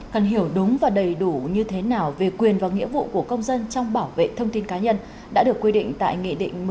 cần hiểu đúng và đầy đủ như thế nào về quyền và nghĩa vụ của công dân trong bảo vệ thông tin cá nhân đã được quy định tại nghị định một trăm linh